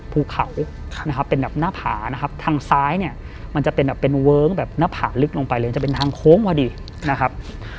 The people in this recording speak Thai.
ภูเขานะครับเป็นแบบหน้าผานะครับทางซ้ายเนี่ยมันจะเป็นแบบเป็นเวิ้งแบบหน้าผาลึกลงไปเลยจะเป็นทางโค้งพอดีนะครับ